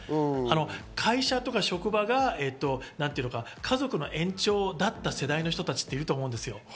会社とか職場が家族の延長だった世代の人たちっていると思うんですよ。